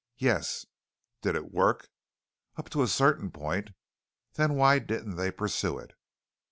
"Yes." "Did it work?" "Up to a certain point." "Then why didn't they pursue it?"